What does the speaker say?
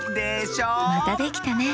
またできたね。